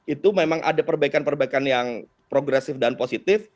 itu memang ada perbaikan perbaikan yang progresif dan positif